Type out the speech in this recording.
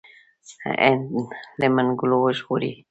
هند له منګولو وژغوري.